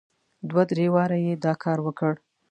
دوه درې واره یې دا کار وکړ.